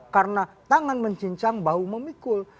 karena tangan mencincang bahu memikul